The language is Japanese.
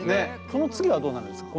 その次はどうなるんですか？